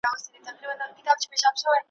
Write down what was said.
له سهاره تر ماښامه ګرځېدل وه ,